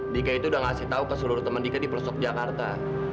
dika itu udah ngasih tahu ke seluruh teman dika di pelosok jakarta